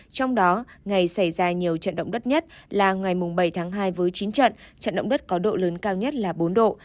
trong đó ngày xảy ra nhiều trận động đất nhất là ngày bảy tháng hai với chín trận trận động đất có độ lớn cao nhất là bốn độ